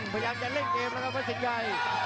พยายามจะเล่นเกมแล้วครับวัดสินชัย